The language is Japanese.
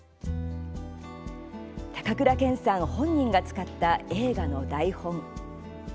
高倉健さん本人が使った映画の台本。